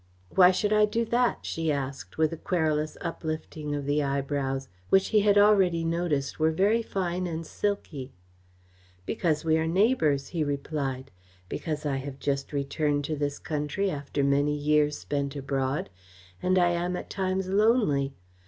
"Why should I do that?" she asked, with a querulous uplifting of the eyebrows, which he had already noticed were very fine and silky. "Because we are neighbours," he replied. "Because I have just returned to this country after many years spent abroad, and I am at times lonely.